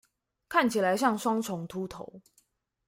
看起來像雙重禿頭